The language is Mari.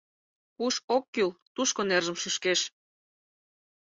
Куш ок кӱл, тушко нержым шӱшкеш!..